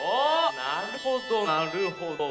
なるほどなるほど。